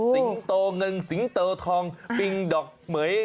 โตเงินสิงโตทองปิงดอกเหมือย